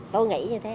tôi nghĩ như thế